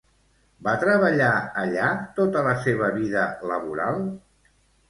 Va treballar allà tota la seva vida laboral?